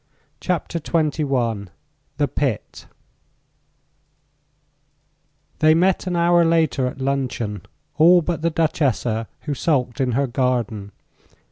CHAPTER XXI THE PIT They met an hour later at luncheon, all but the Duchessa, who sulked in her garden.